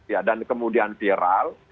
ya dan kemudian viral